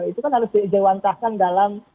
itu kan harus dijewantahkan dalam